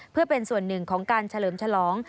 เพื่อเป็นส่วนหนึ่งของการเฉลิมฉลอง